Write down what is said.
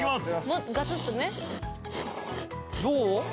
もっとガツッとねどう？